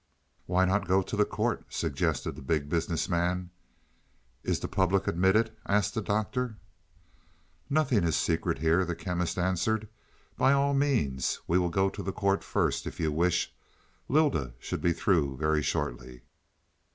"Why not go to the court?" suggested the Big Business Man. "Is the public admitted?" asked the Doctor. "Nothing is secret here," the Chemist answered. "By all means, we will go to the court first, if you wish; Lylda should be through very shortly."